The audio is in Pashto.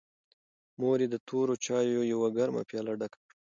مور یې د تورو چایو یوه ګرمه پیاله ډکه کړه.